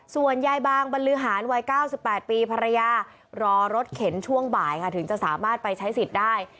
ส่วนยายบางบรรลือหารวัย๙๘ปีภรรยารอรถเข็นช่วงบ่ายค่ะถึงจะสามารถไปใช้สิทธิ์ได้